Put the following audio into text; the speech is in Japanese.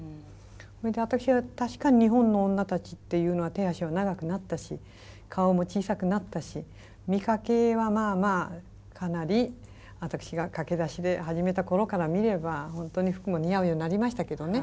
それで私は確かに日本の女たちっていうのは手足は長くなったし顔も小さくなったし見かけはまあまあかなり私が駆け出しで始めた頃から見れば本当に服も似合うようになりましたけどね。